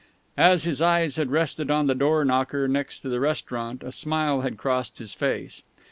As his eyes had rested on the doorknocker next to the restaurant a smile had crossed his face.